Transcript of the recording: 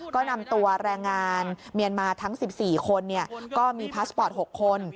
ก็นำตัวแรงงานเมียนมาทั้ง๑๔คนก็มีพาสปอร์ต๖คน